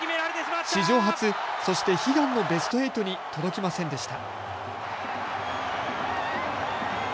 史上初、そして悲願のベスト８に届きませんでした。